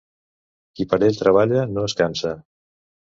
Qui per ell treballa, no es cansa.